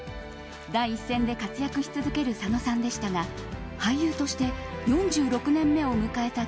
第一線で活躍し続ける佐野さんでしたが俳優として４６年目を迎えた